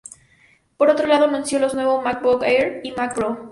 Por otro lado anunció los nuevos MacBook Air y Mac Pro.